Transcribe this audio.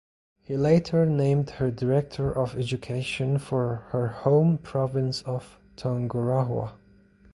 He later named her director of education for her home province of Tungurahua.